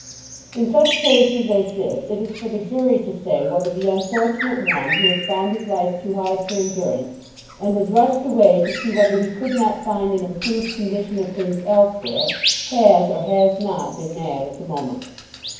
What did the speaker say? In such cases as this it is for the jury to say whether the unfortunate one who has found his life too hard for endurance, and has rushed away to see whether he could not find an improved condition of things elsewhere, has or has not been mad at the moment.